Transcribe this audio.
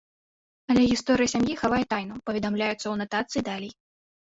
Але гісторыя сям'і хавае тайну, паведамляецца ў анатацыі далей.